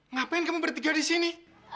ngapain kamu bertiga di sini